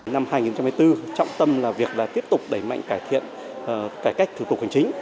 năm hai nghìn hai mươi bốn trọng tâm là việc tiếp tục đẩy mạnh cải thiện cải cách thủ tục hành chính